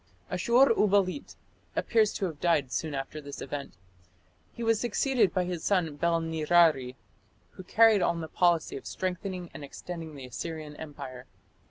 Ashur uballit appears to have died soon after this event. He was succeeded by his son Bel nirari, who carried on the policy of strengthening and extending the Assyrian empire.